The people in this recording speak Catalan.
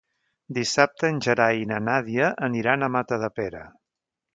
Dissabte en Gerai i na Nàdia aniran a Matadepera.